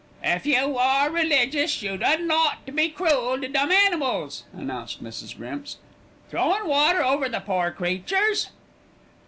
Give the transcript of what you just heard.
"If you are religious, you didn't ought to be cruel to dumb animals," announced Mrs. Grimps, "throwin' water over the pore creatures."